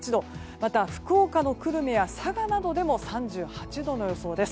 また、福岡の久留米や佐賀などでも３８度の予想です。